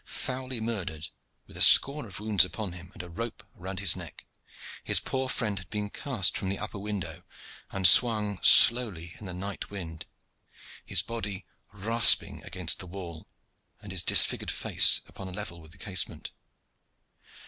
Foully murdered, with a score of wounds upon him and a rope round his neck, his poor friend had been cast from the upper window and swung slowly in the night wind, his body rasping against the wall and his disfigured face upon a level with the casement.